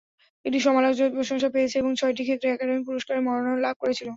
এটি সমালোচকদের প্রশংসা পেয়েছে এবং ছয়টি ক্ষেত্রে একাডেমি পুরস্কারের মনোনয়ন লাভ করেছিল।